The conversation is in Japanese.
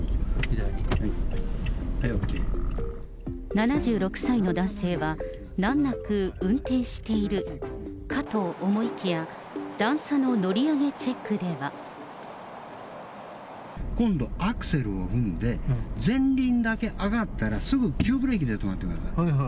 ７６歳の男性は、難なく運転しているかと思いきや、今度、アクセルを踏んで、前輪だけ上がったら、すぐ急ブレーキで止まってください。